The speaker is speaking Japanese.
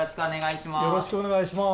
よろしくお願いします。